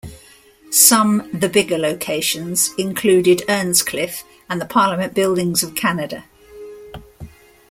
Some the bigger locations included Earnscliffe and the Parliament Buildings of Canada.